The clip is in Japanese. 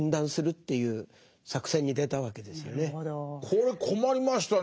これ困りましたね。